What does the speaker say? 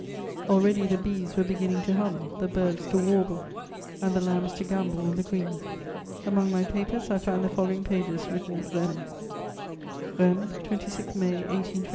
"Already the bees were beginning to hum, the birds to warble, and the lambs to gambol on the green." Among my papers I find the following pages written at Rheims: "RHEIMS, 26 May 1825.